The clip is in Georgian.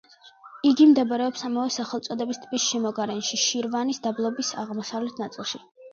იგი მდებარეობს ამავე სახელწოდების ტბის შემოგარენში, შირვანის დაბლობის აღმოსავლეთ ნაწილში.